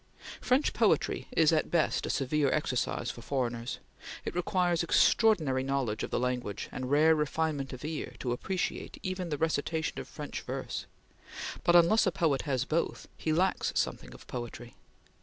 French poetry is at best a severe exercise for foreigners; it requires extraordinary knowledge of the language and rare refinement of ear to appreciate even the recitation of French verse; but unless a poet has both, he lacks something of poetry.